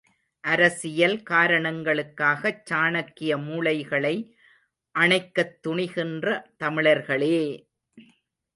அரசியல் காரணங்களுக்காகச் சாணக்கிய மூளைகளை அணைக்கத் துணிகின்ற தமிழர்களே!